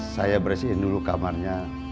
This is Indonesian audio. saya bersihin dulu kamarnya